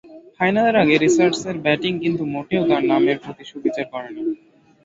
ফাইনালের আগে রিচার্ডসের ব্যাটিং কিন্তু মোটেও তাঁর নামের প্রতি সুবিচার করেনি।